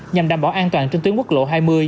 nhằm đảm bảo an toàn trên tuyến quốc lộ hai mươi